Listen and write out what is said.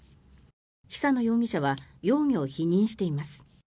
久野容疑者は容疑を否認しています。